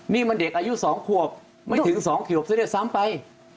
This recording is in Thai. นี่มันเด็กอายุ๒ขวบไม่ถึง๒ขวบซะด้วยซ้ำไป